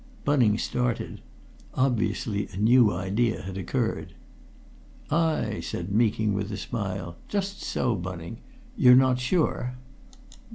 Bunning started. Obviously, a new idea had occurred. "Ay!" said Meeking, with a smile. "Just so, Bunning. You're not sure?"